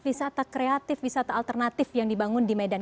wisata kreatif wisata alternatif yang dibangun di medan